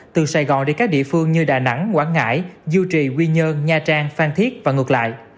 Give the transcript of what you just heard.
từ sài gòn đi các địa phương như đà nẵng quảng ngãi dù trì quy nhơn nha trang phan thiết và ngược lại